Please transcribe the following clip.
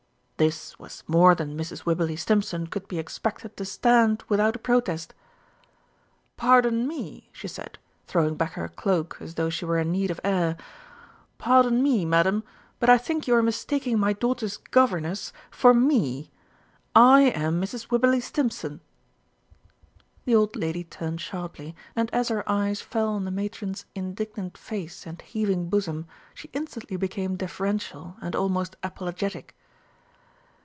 This was more than Mrs. Wibberley Stimpson could be expected to stand without a protest. "Pardon me," she said, throwing back her cloak as though she were in need of air, "pardon me, Madam, but I think you are mistaking my daughter's governess for me. I am Mrs. Wibberley Stimpson!" The old lady turned sharply, and as her eyes fell on the matron's indignant face and heaving bosom, she instantly became deferential and almost apologetic.